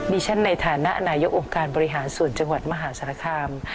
ฉันในฐานะนายกองค์การบริหารส่วนจังหวัดมหาสารคาม